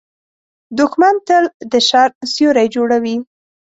دښمن تل د شر سیوری جوړوي